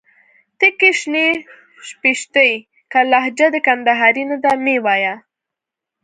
تکي شنې شپيشتي. که لهجه دي کندهارۍ نه ده مې وايه